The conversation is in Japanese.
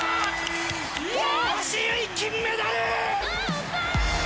大橋悠依、金メダル！